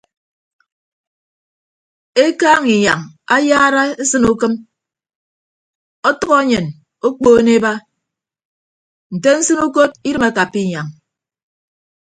Ekaaña inyañ ayara esịne ukịm ọtʌk enyen okpoon eba nte nsịn ukot idịm akappa inyañ.